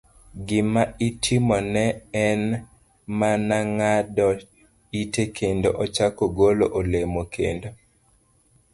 Gima itimone en mana ng'ado ite kendo ochako golo olemo kendo.